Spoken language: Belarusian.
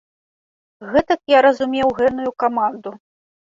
Гэтак я разумеў гэную каманду.